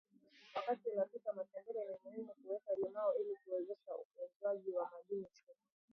Wakati unapika matembele ni muhimu kuweka limao ili kuwezesha ufyonzwaji wa madini chuma